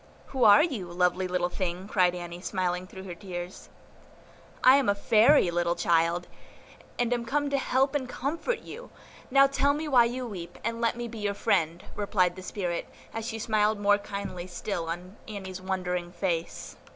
"Who are you, lovely little thing?" cried Annie, smiling through her tears. "I am a Fairy, little child, and am come to help and comfort you; now tell me why you weep, and let me be your friend," replied the spirit, as she smiled more kindly still on Annie's wondering face.